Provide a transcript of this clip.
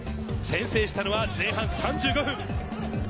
先制したのは前半３５分。